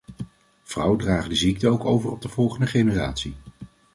Vrouwen dragen de ziekte ook over op de volgende generatie.